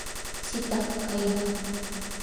— Сита, каена.